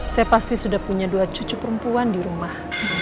saya pasti sudah punya dua cucu perempuan di rumah